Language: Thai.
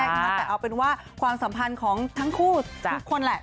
แต่เอาเป็นว่าความสัมพันธ์ของทั้งคู่ทุกคนแหละ